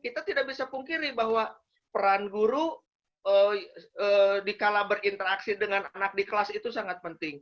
kita tidak bisa pungkiri bahwa peran guru dikala berinteraksi dengan anak di kelas itu sangat penting